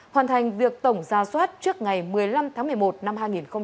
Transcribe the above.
hoàn thành việc tổng ra soát trước ngày một mươi năm tháng một mươi một năm hai nghìn hai mươi